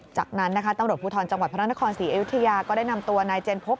จากนั้นนะคะตำรวจภูทรจังหวัดพระนครศรีอยุธยาก็ได้นำตัวนายเจนพบ